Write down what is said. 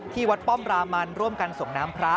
วัดป้อมรามันร่วมกันส่งน้ำพระ